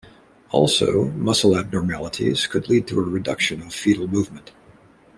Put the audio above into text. Also muscle abnormalities could lead to a reduction of fetal movement.